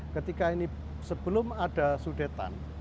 ketika ini sebelum ada sudetan